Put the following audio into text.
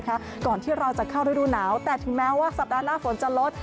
ก่อนที่เราจะเข้าฤดูหนาวแต่ถึงแม้ว่าสัปดาห์หน้าฝนจะลด